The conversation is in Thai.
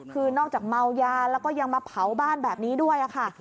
คือนอกจากเมายาแล้วก็ยังมาเผาบ้านแบบนี้ด้วยค่ะ